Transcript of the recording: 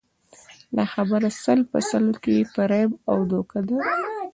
دا خبره سل په سلو کې فریب او دوکه ده